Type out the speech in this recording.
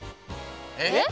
えっ？